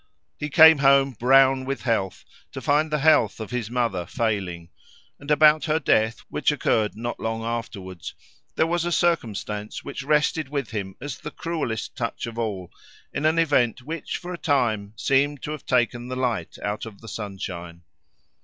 He came home brown with health to find the health of his mother failing; and about her death, which occurred not long afterwards, there was a circumstance which rested with him as the cruellest touch of all, in an event which for a time seemed to have taken the light out of the sunshine.